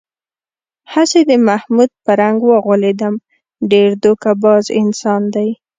هسې د محمود په رنگ و غولېدم، ډېر دوکه باز انسان دی.